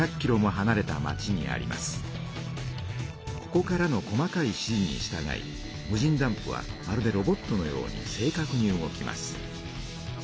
ここからの細かい指じにしたがい無人ダンプはまるでロボットのように正かくに動きます。